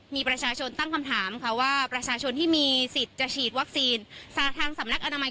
มีประชาชนตั้งคำถามค่ะว่าประชาชนที่มีสิทธิ์จะฉีดวัคซีนทางสำนักอนามัย